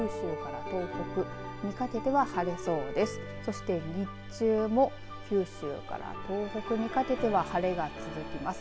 そして、日中も九州から東北にかけては晴れが続きます。